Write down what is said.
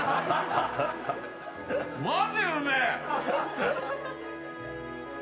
マジうめえ！